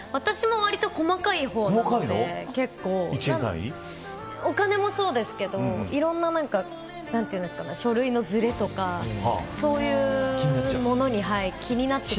私も割と細かい方なんでお金もそうですけどいろんな書類のずれとかそういうものに気になってる。